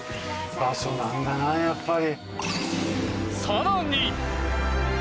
場所なんだなやっぱり。